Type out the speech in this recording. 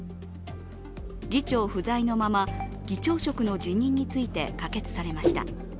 議長不在のまま議長職の辞任について可決されました。